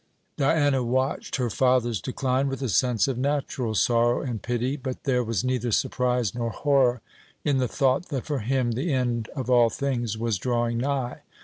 Diana watched her father's decline with a sense of natural sorrow and pity; but there was neither surprise nor horror in the thought that for him the end of all things was drawing nigh.